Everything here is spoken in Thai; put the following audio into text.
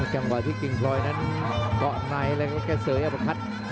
กล่อไหนแล้วก็เสยอประคัต